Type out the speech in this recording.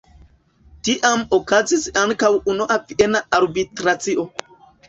Tiam okazis ankaŭ Unua Viena Arbitracio.